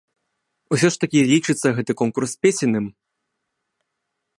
Усё ж такі лічыцца гэты конкурс песенным.